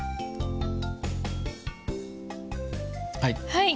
はい。